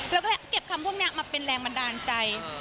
แล้วก็เก็บคำพวกนี้มาเป็นแรงบันดาลใจ